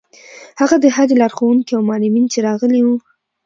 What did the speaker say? هغه د حج لارښوونکي او معلمین چې راغلي وو.